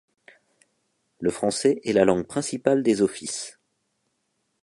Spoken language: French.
Le français est la langue principale des offices.